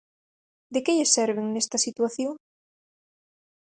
De que lle serven nesta situación?